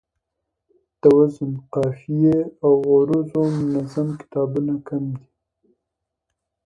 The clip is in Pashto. د وزن، قافیې او عروضو منظم کتابونه کم دي